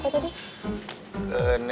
enak ini siapa pasangannya